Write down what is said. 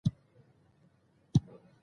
هیله کوم د بخښنې وړ نه ده